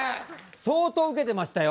相当ウケてましたよ。